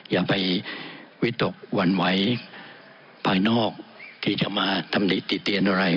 อย่าไปวิตกหวั่นไหวภายนอกที่จะมาตำหนิติเตียนอะไร